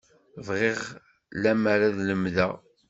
Bɣiɣ lemmer ad lemdeɣ.